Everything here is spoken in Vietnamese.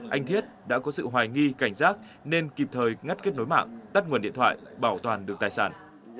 anh thiết đã có sự hoài nghi cảnh giác nên kịp thời ngắt kết nối mạng tắt nguồn điện thoại bảo toàn được tài sản